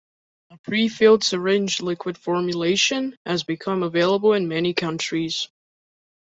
A pre-filled syringe liquid formulation has become available in many countries.